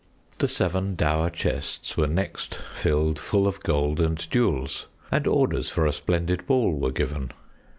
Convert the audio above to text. The seven dower chests were next filled full of gold and jewels, and orders for a splendid ball were given.